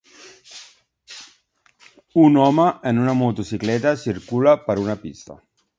Un home en una motocicleta circula per una pista.